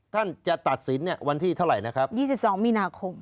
ท่านจะตัดสินเนี่ยวันที่เท่าไหร่นะครับ๒๒มีนาคม